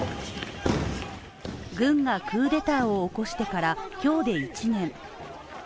軍がクーデターを起こしてから今日で１年。